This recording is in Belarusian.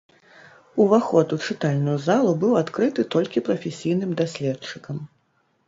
Уваход у чытальную залу быў адкрыты толькі прафесійным даследчыкам.